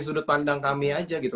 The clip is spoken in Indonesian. sudut pandang kami aja gitu